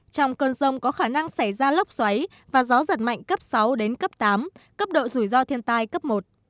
trong cơn rông có khả năng xảy ra lốc xoáy và gió giật mạnh cấp sáu đến cấp tám cấp độ rủi ro thiên tai cấp một